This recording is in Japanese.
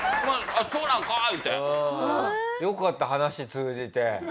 よかった話通じて。